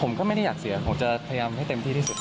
ผมก็ไม่ได้อยากเสียผมจะพยายามให้เต็มที่ที่สุด